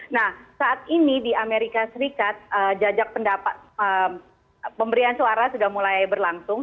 nah saat ini di amerika serikat jajak pendapat pemberian suara sudah mulai berlangsung